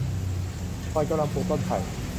หล่อนกำลังปลูกต้นไผ่